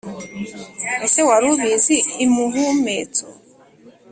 Ese wari ubizi imihumetso